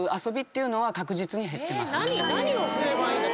何をすればいいんだ？